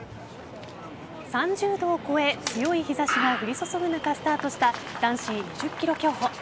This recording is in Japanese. ３０度を超え強い日差しが降り注ぐ中スタートした男子２０ｋｍ競歩。